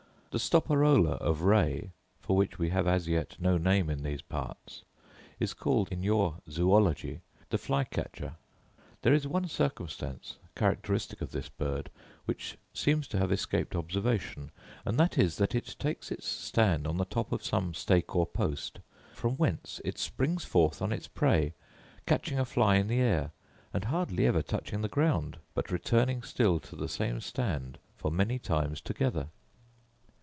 The stoparola of Ray (for which we have as yet no name in these parts) is called, in your Zoology, the fly catcher. There is one circumstance characteristic of this bird, which seems to have escaped observation, and that is, that it takes its stand on the top of some stake or post, from whence it springs forth on its prey, catching a fly in the air, and hardly ever touching the ground, but returning still to the same stand for many times together.